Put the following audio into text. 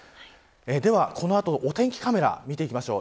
では、この後お天気カメラを見ていきましょう。